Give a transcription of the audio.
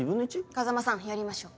風真さんやりましょう。